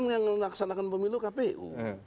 yang melaksanakan pemilu kpu